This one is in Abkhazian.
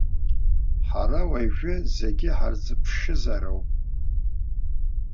Ҳара уажәы зегьы ҳарзыԥшызар ауп.